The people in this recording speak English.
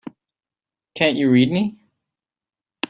Can't you read me?